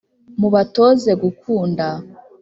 mubatoze gukunda